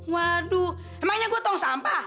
waduh emangnya gue tong sampah